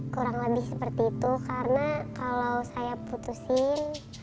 kurang lebih seperti itu karena kalau saya putusin